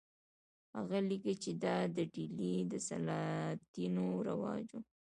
هغه لیکي چې دا د ډیلي د سلاطینو رواج و.